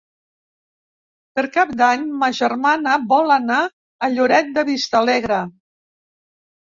Per Cap d'Any ma germana vol anar a Lloret de Vistalegre.